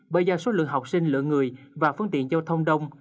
bởi do số lượng học sinh lượng người và phương tiện giao thông đông